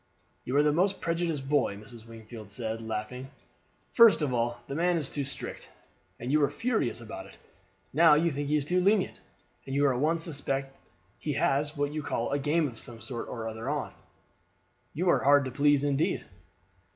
"You are a most prejudiced boy," Mrs. Wingfield said, laughing. "First of all the man is too strict, and you were furious about it; now you think he's too lenient, and you at once suspect he has what you call a game of some sort or other on. You are hard to please indeed."